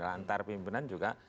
lantar pimpinan juga